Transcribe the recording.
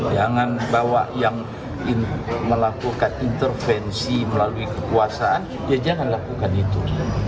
jangan bawa yang melakukan intervensi melalui kekuasaan ya jangan lakukan itu